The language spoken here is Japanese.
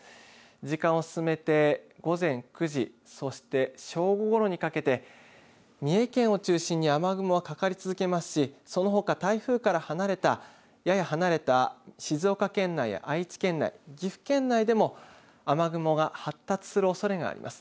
時間を進めて午前９時そして正午ごろにかけて三重県を中心に雨雲がかかり続けますしそのほか、台風から離れたやや離れた静岡県内や愛知県内、岐阜県内でも雨雲が発達するおそれがあります。